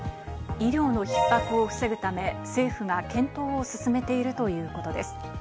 医療の逼迫を防ぐため、政府が検討を進めているということです。